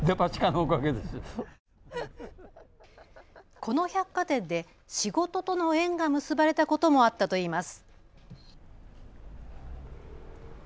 この百貨店で仕事との縁が結ばれたこともあったといいます。